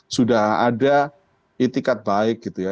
sudah ada itikat baik gitu ya